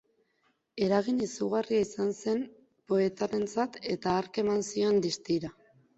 Eragin izugarria izan zen poetarentzat eta hark eman zion distira.